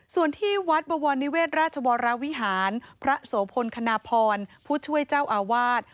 ส่วนที่วัดบวรนิเวศราชวรวิหารพระโสพลคณพรผู้ช่วยเจ้าอาวาส